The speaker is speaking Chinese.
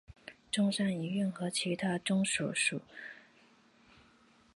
中山一院和其它中大附属医院一样也是被卫生部评定的三级甲等医院。